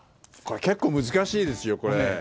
これ結構難しいですよ。